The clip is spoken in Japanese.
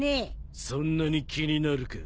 そんなに気になるか？